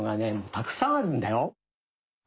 たくさんあるんだよ。